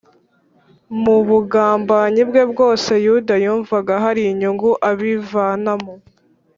mu bugambanyi bwe bwose, yuda yumvaga hari inyungu abivanamo